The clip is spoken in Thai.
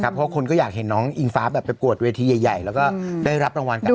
เพราะคนก็อยากเห็นน้องอิงฟ้าแบบไปกวดเวทีใหญ่แล้วก็ได้รับรางวัลกัน